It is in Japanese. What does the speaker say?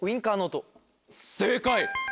正解！